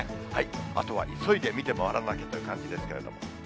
あとは急いで見て回らなきゃという感じですけれども。